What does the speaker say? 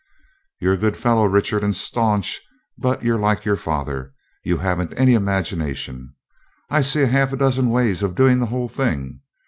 'You're a good fellow, Richard, and stanch, but you're like your father you haven't any imagination. I see half a dozen ways of doing the whole thing.